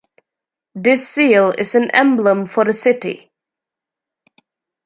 This seal is an emblem for the city.